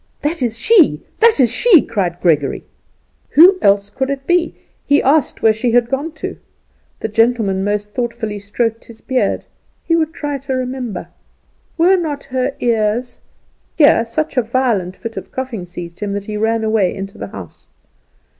"That is she! that is she!" cried Gregory. Who else could it be? He asked where she had gone to. The gentleman most thoughtfully stroked his beard. He would try to remember. Were not her ears . Here such a violent fit of coughing seized him that he ran away into the house.